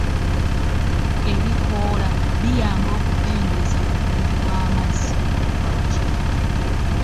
Ebikoola biyamba okukendeeza ku bungi bwa'amazzi okuva mi kimera.